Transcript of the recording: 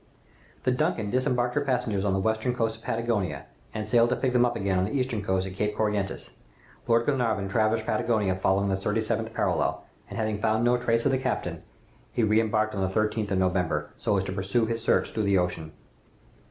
"The 'Duncan' disembarked her passengers on the western coast of Patagonia, and sailed to pick them up again on the eastern coast at Cape Corrientes. Lord Glenarvan traversed Patagonia, following the thirty seventh parallel, and having found no trace of the captain, he re embarked on the 13th of November, so as to pursue his search through the Ocean.